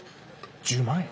１０万円。